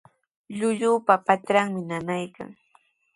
Llullupa patranmi nanaykan.